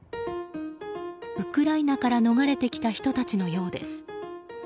ウクライナから逃れてきた人たちのようです。